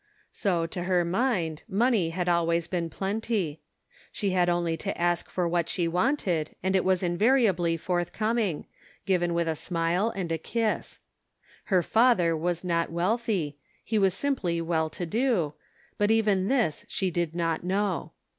So to her mind money had always been plenty ; she had only to ask for what she wanted, and it was invari ably forthcoming ; given with a smile and a kiss. Her father was not wealthy, he was simply well to do; but even this she did not know.